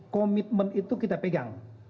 komitmen itu kita pegang